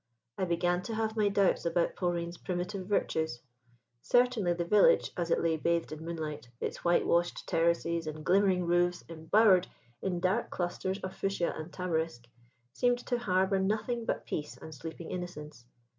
"I began to have my doubts about Polreen's primitive virtues. Certainly the village, as it lay bathed in moonlight, its whitewashed terraces and glimmering roofs embowered in dark clusters of fuchsia and tamarisk, seemed to harbour nothing but peace and sleeping innocence.